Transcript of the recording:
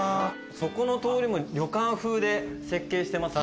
そこの通りも旅館風で設計してますね。